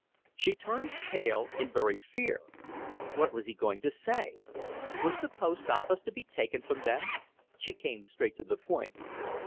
She turned pale in very fear. What was he going to say? Was the post office to be taken from them? She came straight to the point.